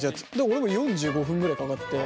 俺も４５分ぐらいかかって。